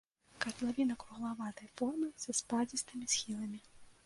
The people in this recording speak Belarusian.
Катлавіна круглаватай формы са спадзістымі схіламі.